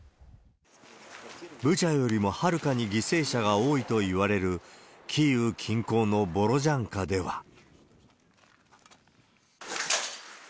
ブチャよりもはるかに犠牲者が多いといわれる、キーウ近郊のボロジャンカでは。